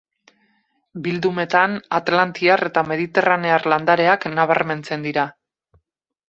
Bildumetan atlantiar eta mediterranear landareak nabarmentzen dira.